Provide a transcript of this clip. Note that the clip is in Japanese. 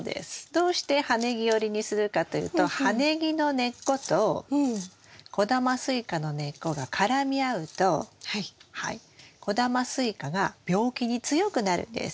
どうして葉ネギ寄りにするかというと葉ネギの根っこと小玉スイカの根っこが絡み合うと小玉スイカが病気に強くなるんです。